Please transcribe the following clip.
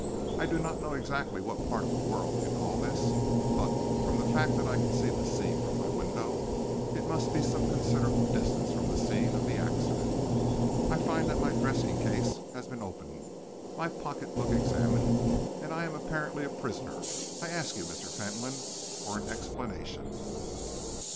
I do not know exactly what part of the world you call this, but from the fact that I can see the sea from my window, it must be some considerable distance from the scene of the accident. I find that my dressing case has been opened, my pocket book examined, and I am apparently a prisoner. I ask you, Mr. Fentolin, for an explanation."